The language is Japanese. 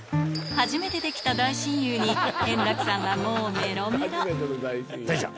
初めて出来た大親友に、円楽さんは、もうめろめろ。